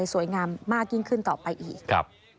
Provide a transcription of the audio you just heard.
สวยงามมากยิ่งขึ้นต่อไปอีก